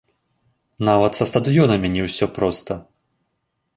Нават са стадыёнамі не ўсё проста.